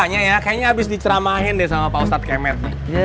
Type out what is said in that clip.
kayanya abis diceramahin deh sama pak ustadz kemet